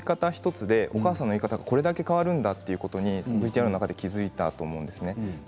１つでお母さんの言い方がこれだけ変わるんだということにＶＴＲの中で気付いたと思うんですね。